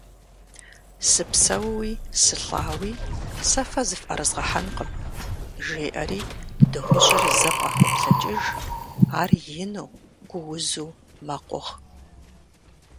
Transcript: Сыпсэууи сылӀауи сэ фэ зыфӀэрызгъэхьэнкъым! - жеӀэри дыгъужьыр зэ къахуоплъэкӀыж, ар ину, гуузу мэкъугъ.